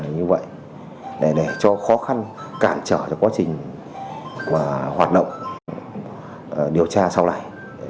như vậy để cho khó khăn cản trở cho quá trình hoạt động điều tra sau này